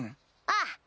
ああ。